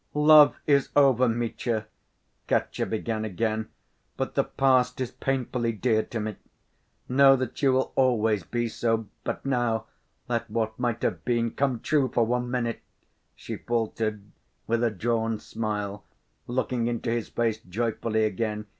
"Love is over, Mitya!" Katya began again, "but the past is painfully dear to me. Know that you will always be so. But now let what might have been come true for one minute," she faltered, with a drawn smile, looking into his face joyfully again.